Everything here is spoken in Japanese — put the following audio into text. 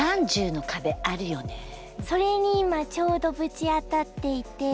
それに今ちょうどぶち当たっていて。